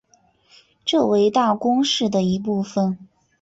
旧为大宫市的一部分。